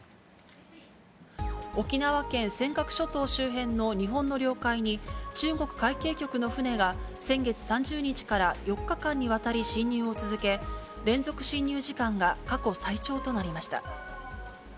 沖縄県尖閣諸島周辺の日本の領海に、中国海警局の船が先月３０日から４日間にわたり侵入を続け、連続侵入時間が過去最長となりました。